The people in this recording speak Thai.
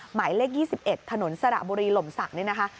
หมายเลข๒๑ถนนสระบุรีหล่มศักดิ์นี่นะคะ